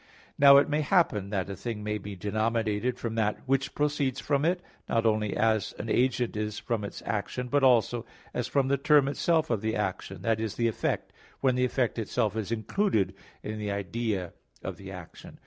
Now it may happen that a thing may be denominated from that which proceeds from it, not only as an agent is from its action, but also as from the term itself of the action that is, the effect, when the effect itself is included in the idea of the action.